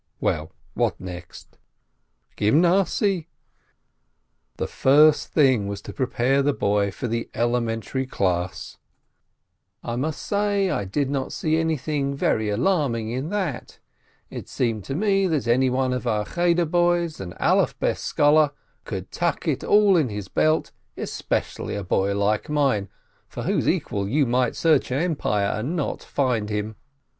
Well, what next? Gymnasiye! The first thing was to prepare the boy for the elementary class in the 164 SHOLOM ALECHEM Junior Preparatory. I must say, I did not see anything very alarming in that. It seemed to me that anyone of our Cheder boys, an Alef Bes scholar, could tuck it all into his belt, especially a boy like mine, for whose equal you might search an empire, and not find him.